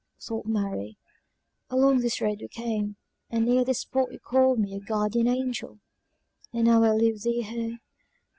thought Mary, "along this road we came, and near this spot you called me your guardian angel and now I leave thee here!